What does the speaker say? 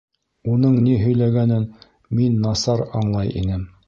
Уның ни һөйләгәнен мин насар аңлай инем.